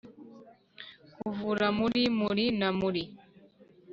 kuvura muri muri na muri